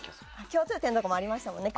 共通点とかもありましたしね。